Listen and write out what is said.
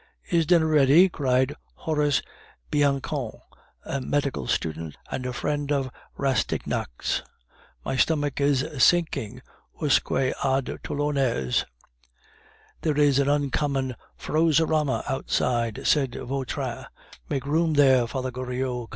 "Is dinner ready?" cried Horace Bianchon, a medical student, and a friend of Rastignac's; "my stomach is sinking usque ad talones." "There is an uncommon frozerama outside," said Vautrin. "Make room there, Father Goriot!